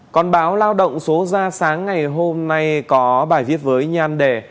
còn báo lao động số ra sáng ngày hôm nay có bài viết với nhan đề